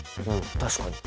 確かに。